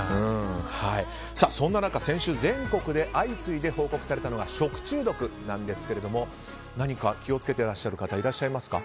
そんな中、先週全国で相次いで報告されたのは食中毒なんですけれども何か気を付けている方いらっしゃいますか。